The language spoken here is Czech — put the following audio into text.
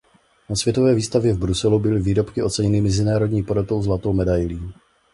Na světové výstavě v Bruselu byly výrobky oceněny mezinárodní porotou zlatou medailí.